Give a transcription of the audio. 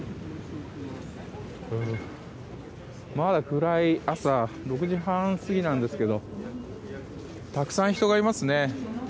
まだ暗い朝６時半過ぎなんですけどたくさん人がいますね。